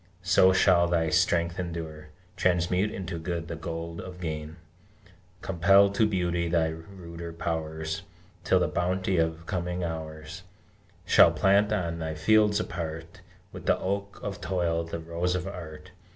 So shall thy strength endure. Transmute into good the gold of Gain, Compel to beauty thy ruder powers, Till the bounty of coming hours Shall plant, on thy fields apart, With the oak of Toil, the rose of Art!